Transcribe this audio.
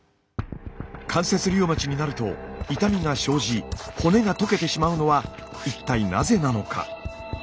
関節リウマチになると痛みが生じ骨が溶けてしまうのは一体なぜなのか。